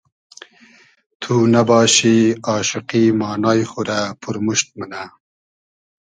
تو نئباشی آشوقی مانای خو رۂ پورموشت مونۂ